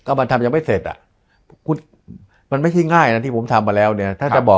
มันทำยังไม่เสร็จอ่ะมันไม่ใช่ง่ายนะที่ผมทำมาแล้วเนี่ยถ้าจะบอก